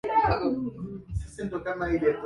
Ongea polepole.